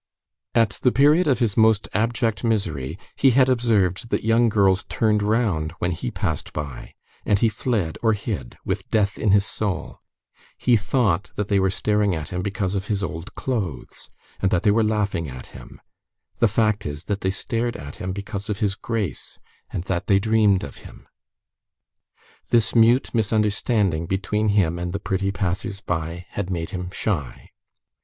At the period of his most abject misery, he had observed that young girls turned round when he passed by, and he fled or hid, with death in his soul. He thought that they were staring at him because of his old clothes, and that they were laughing at them; the fact is, that they stared at him because of his grace, and that they dreamed of him. This mute misunderstanding between him and the pretty passers by had made him shy.